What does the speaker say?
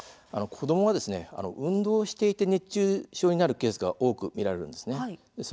子どもは運動していて熱中症になるケースが多く見られるんです。